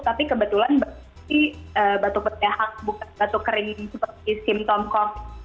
tapi kebetulan batuk berdahak bukan batuk kering seperti simptom covid sembilan belas